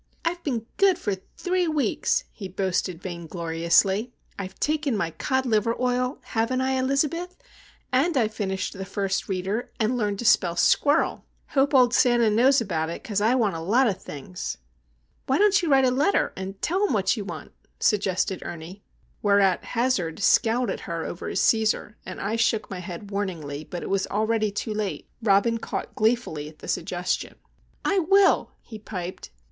— "I've been good for three weeks," he boasted vaingloriously. "I've taken my cod liver oil,—haven't I, Elizabeth? And I've finished the First Reader, and learned to spell squirrel! Hope old Santa knows about it, 'cause I want a lot o' things!" "Why don't you write a letter, and tell him what you want?" suggested Ernie. Whereat, Hazard scowled at her over his Cæsar, and I shook my head warningly; but it was already too late. Robin caught gleefully at the suggestion. "I will," he piped.